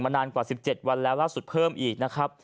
มานานกว่า๑๗วันแล้วล่าสุดเพิ่มอีก